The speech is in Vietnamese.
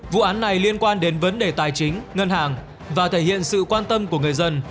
vụ án này liên quan đến vấn đề tài chính ngân hàng và thể hiện sự quan tâm của người dân